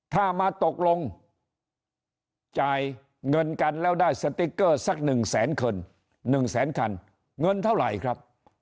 ถ้ามาตกลงจ่ายเงินกันแล้วได้สติ๊กเกอร์สัก๑แสนคัน๑แสนคันเงินเท่าไหร่ครับ